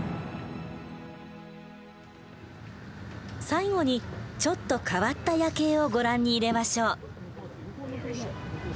最後にちょっと変わった夜景をご覧に入れましょう。